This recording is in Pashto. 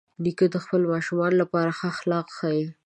نیکه د خپلو ماشومانو لپاره ښه اخلاق ښيي.